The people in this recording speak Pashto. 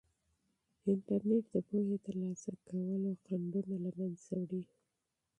انټرنیټ د پوهې د ترلاسه کولو خنډونه ختموي.